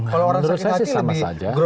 menurut saya sih sama saja